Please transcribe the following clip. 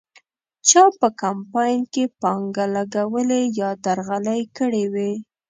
چا په کمپاین کې پانګه لګولې یا درغلۍ کړې وې.